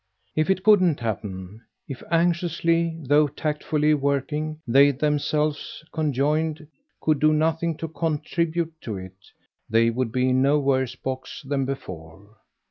If it couldn't happen if, anxiously, though tactfully working, they themselves, conjoined, could do nothing to contribute to it they would be in no worse a box than before.